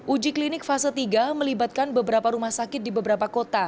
uji klinik fase tiga melibatkan beberapa rumah sakit di beberapa kota